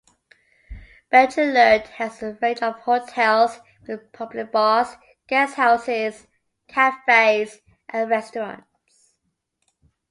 Beddgelert has a range of hotels with public bars, guesthouses, cafes, and restaurants.